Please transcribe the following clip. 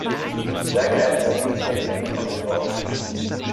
Sehr geehrter Herr Vizepräsident der Kommission!